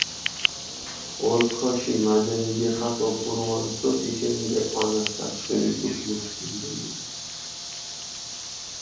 ორქოში მადენი დიხას ოფურუანს დო თიშენი რე ჸვანას დაჩხირი გუთმურჩქინდუნიე.